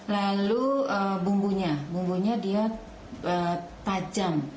lalu bumbunya bumbunya dia tajam